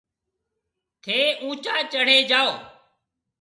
ٿَي اُونچا چڙهي جاو۔